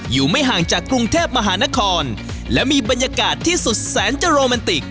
อยู่ไม่ห่างจากกรุงเทพมหานครและมีบรรยากาศที่สุดแสนจะโรแมนติก